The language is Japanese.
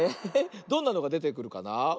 どんなのがでてくるかな？